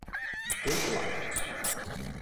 The Light